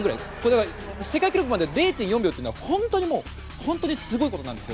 世界記録まで０．４秒というのは本当にすごいことなんです。